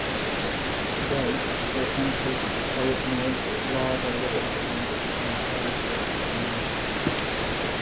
Today, authentic original Lager Lovely cans are highly sought after among collectors.